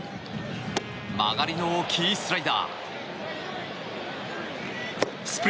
曲がりの大きいスライダー。